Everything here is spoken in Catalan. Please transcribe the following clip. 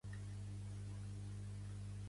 Què se t'hi ha perdut, a casa dels catalans?